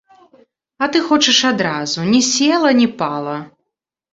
А ты хочаш адразу, ні села, ні пала.